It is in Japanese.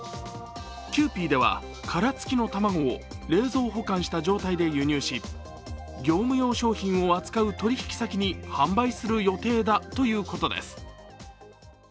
キユーピーでは殻付きの卵を冷蔵保管した状態で輸入し業務用商品を扱う取引先に販売する予定だということです。